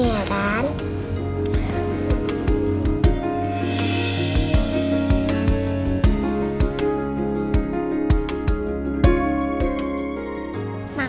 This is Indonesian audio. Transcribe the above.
iya papa pangeran